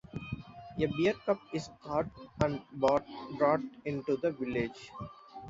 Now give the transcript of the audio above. A bear cub is caught and brought into the village.